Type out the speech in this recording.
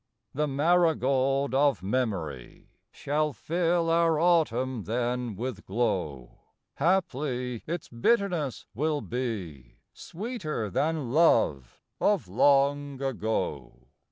The marigold of memory Shall fill our autumn then with glow; Haply its bitterness will be Sweeter than love of long ago.